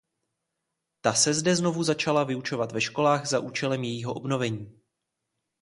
Ta se zde znovu začala vyučovat ve školách za účelem jejího obnovení.